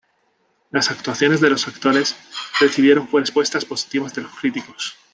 Las actuaciones de los actores recibieron respuestas positivas de los críticos.